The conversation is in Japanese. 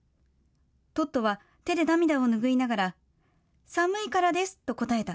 トットは手で涙を拭いながら、寒いからですと答えた。